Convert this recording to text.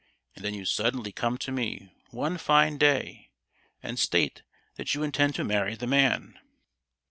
And then you suddenly come to me, one fine day, and state that you intend to marry the man!